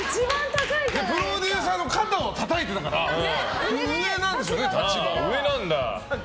プロデューサーさんの肩をたたいてたから立場が上なんでしょうね。